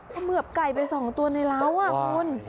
เขมือบไก่ไป๒ตัวในร้าวคุณ